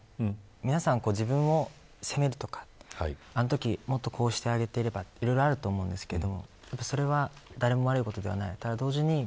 皆さん、自分を責めるとかあのとき、もっとこうしてあげていればいろいろあると思うんですけどそれは誰も悪いことではない。